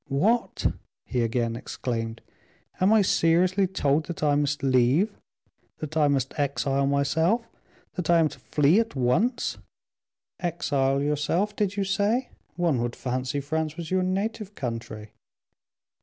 "What!" he again exclaimed, "am I seriously told that I must leave, that I must exile myself, that I am to flee at once?" "Exile yourself, did you say? One would fancy France was your native country."